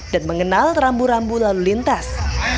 dan mengenal rambu rambu lalu lintas